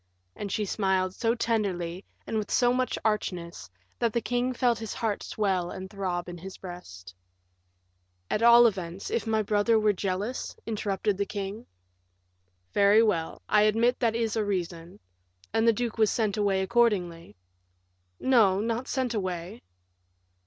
And she smiled so tenderly, and with so much archness, that the king felt his heart swell and throb in his breast. "At all events, if my brother were jealous?" interrupted the king. "Very well, I admit that is a reason; and the duke was sent away accordingly." "No, not sent away."